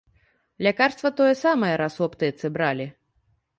Лякарства тое самае раз у аптэцы бралі.